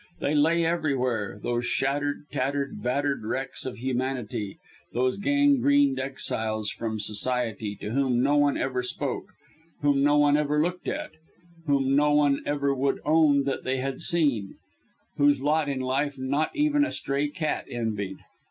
They lay everywhere these shattered, tattered, battered wrecks of humanity these gangrened exiles from society, to whom no one ever spoke; whom no one ever looked at; whom no one would even own that they had seen; whose lot in life not even a stray cat envied.